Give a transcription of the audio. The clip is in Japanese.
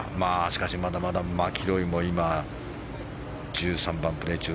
しかしまだまだ、マキロイも今、１３番をプレー中。